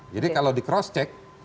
jadi kalau di cross check